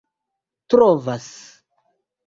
trovas